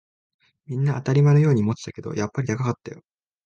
みんな当たり前のように持ってたけど、やっぱり高かったよ